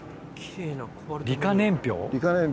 『理科年表』。